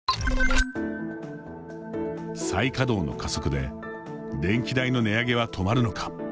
再稼働の加速で電気代の値上げは止まるのか。